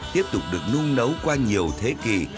tiếp tục được nung nấu qua nhiều thế kỷ